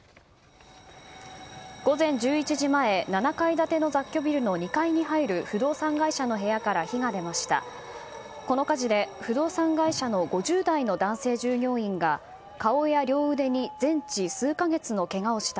午前１１時前７階建ての雑居ビルの２階に入る不動産会社の部屋から火が出ました。